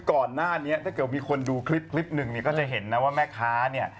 ก็นานางมาเลย